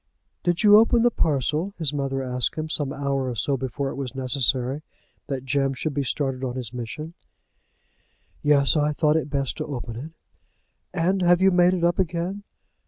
"Did you open the parcel?" his mother asked him, some hour or so before it was necessary that Jem should be started on his mission. "Yes; I thought it best to open it." "And have you made it up again?"